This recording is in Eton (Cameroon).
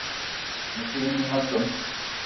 Me te ye n'noung akeng.